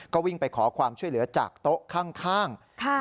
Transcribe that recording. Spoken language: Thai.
ก็วิ่งไปขอความช่วยเหลือจากโต๊ะข้าง